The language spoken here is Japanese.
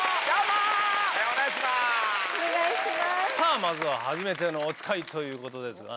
さぁまずは「はじめてのおつかい」ということですが。